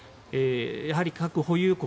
やはり核保有国